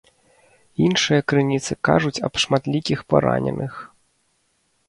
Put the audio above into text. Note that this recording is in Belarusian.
Іншыя крыніцы кажуць аб шматлікіх параненых.